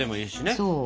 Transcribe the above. そう。